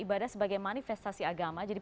ibadah sebagai manifestasi agama jadi